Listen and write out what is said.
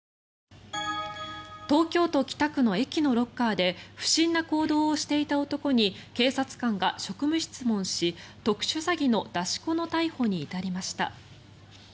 東京都北区の駅のロッカーで不審な行動をしていた男に警察官が職務質問し特殊詐欺の出し子の逮捕に至りました。